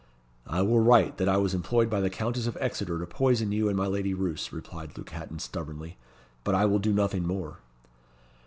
"I will write that I was employed by the Countess of Exeter to poison you and my Lady Roos," replied Luke Hatton, stubbornly; "but I will do nothing more."